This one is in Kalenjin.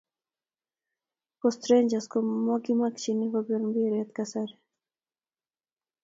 Post rangers ko makichamchin kopir mbire kasari